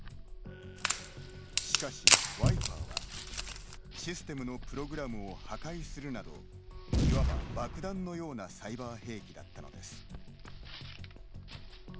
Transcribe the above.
しかしワイパーは、システムのプログラムを破壊するなどいわば、爆弾のようなサイバー兵器だったのです。